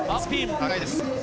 高いです。